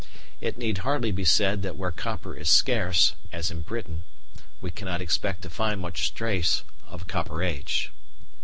It need hardly be said that where copper is scarce, as in Britain, we cannot expect to find much trace of a Copper Age.